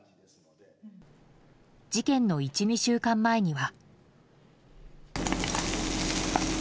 事件の１２週間前には。